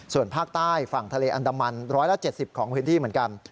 ส่วนภาคใต้ฝั่งทะเลอันดามัน๑๗๐ของพื้นที่เหมือนกัน